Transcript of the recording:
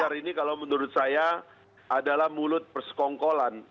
dasar ini kalau menurut saya adalah mulut persekongkolan